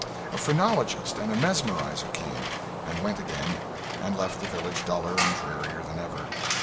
A phrenologist and a mesmerizer came—and went again and left the village duller and drearier than ever.